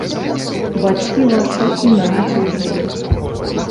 Бацькі вашы іначай жылі!